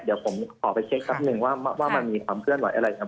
เดี๋ยวผมขอไปเช็คแป๊บหนึ่งว่ามันมีความเคลื่อนไหวอะไรครับ